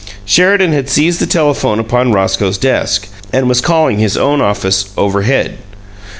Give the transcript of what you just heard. Sheridan had seized the telephone upon Roscoe's desk, and was calling his own office, overhead.